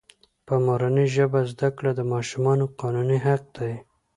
په مورنۍ ژبه زده کړه دماشومانو قانوني حق دی.